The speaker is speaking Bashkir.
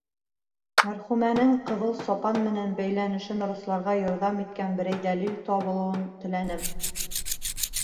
Мәрхүмәнең ҡыҙыл сапан менән бәйләнешен раҫларға ярҙам иткән берәй дәлил табылыуын теләнем.